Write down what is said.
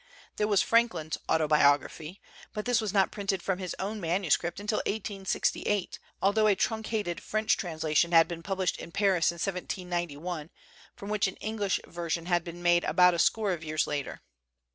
There was Franklin's ' Auto biography/ but this was not printed from his own manuscript until 1868, altho a truncated French translation had been published in Paris in 1791, from which an English version had been made about a score of years later.